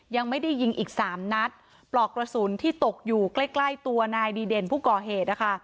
ยังไม่ได้ยิงอีกสามนัดปลอกกระสุนที่ตกอยู่ใกล้ใกล้ตัวนายดีเด่นผู้ก่อเหตุนะคะ